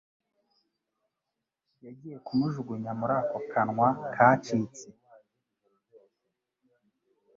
yagiye kumujugunya muri ako kanwa kacitse